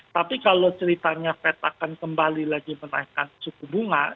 tapi kalau ceritanya fed akan kembali lagi menaikkan suku bunga